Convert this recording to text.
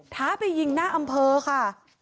้าไปยิงหน้าอำเภอค่ะ